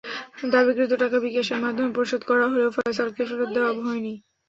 দাবিকৃত টাকা বিকাশের মাধ্যমে পরিশোধ করা হলেও ফয়সালকে ফেরত দেওয়া হয়নি।